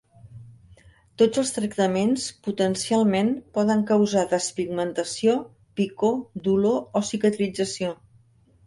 Tots els tractaments potencialment poden causar despigmentació, picor, dolor o cicatrització.